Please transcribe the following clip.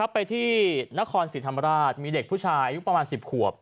ไปที่นครศรีธรรมราชมีเด็กผู้ชายอายุประมาณ๑๐ขวบ